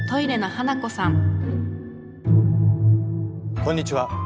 こんにちは。